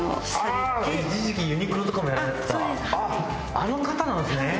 あの方なんですね。